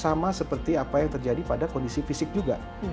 sama seperti apa yang terjadi pada kondisi fisik juga